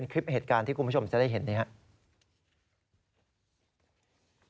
คุณผู้ชมจะได้เห็นนะครับ